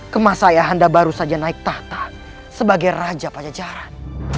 kemah saya anda baru saja naik tahta sebagai raja pajjaran